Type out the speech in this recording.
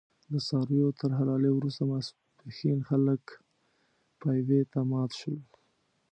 د څارویو تر حلالې وروسته ماسپښین خلک پېوې ته مات شول.